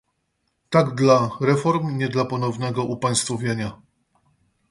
Tak dla reform, nie dla ponownego upaństwowienia!